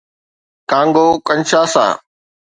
Congo - Kinshasa